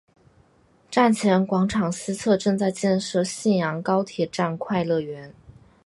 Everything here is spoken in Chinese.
站前广场西侧正在建设信阳高铁站快乐园。